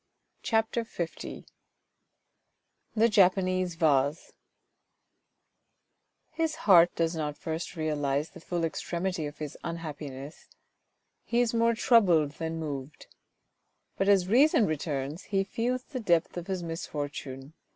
CHAPTER L THE JAPANESE VASE His heart does not first realise the full extremity of his unhappi ness : he is more troubled than moved. But as reason returns he feels the depth of his misfortune.